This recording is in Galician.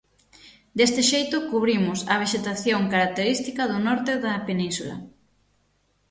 Deste xeito cubrimos a vexetación característica do norte da península.